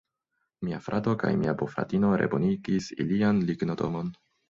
Mia frato kaj mia bofratino rebonigis ilian lignodomon.